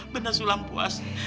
bener sulam puas